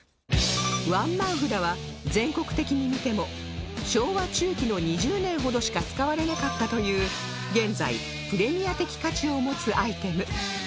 ワンマン札は全国的に見ても昭和中期の２０年ほどしか使われなかったという現在プレミア的価値を持つアイテム